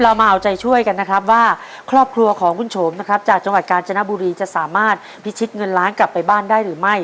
เรามาเอาใจช่วยกันนะครับว่าครอบครัวของคุณโฉมนะครับจากจังหวัดกาญจนบุรีจะสามารถพิชิตเงินล้านกลับไปบ้านได้หรือไม่